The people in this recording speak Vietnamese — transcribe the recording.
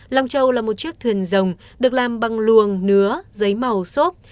long châu là một chiếc thuyền rồng được làm bằng luồng nứa giấy màu xốp